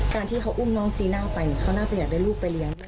การที่เขาอุ้มน้องจีน่าไปเนี่ยเขาน่าจะอยากได้ลูกไปเลี้ยง